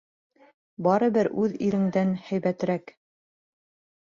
Барыбер үҙ иреңдән һәйбәтерәк.